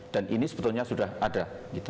dan ini sebetulnya sudah ada